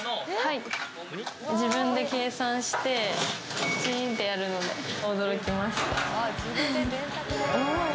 自分で計算してチンってやるので驚きました。